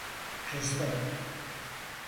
Kızdım.